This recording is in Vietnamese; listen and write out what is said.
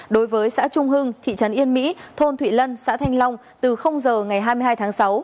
đối với xã trung hưng thị trấn yên mỹ thôn thụy lân xã thanh long từ giờ ngày hai mươi hai tháng sáu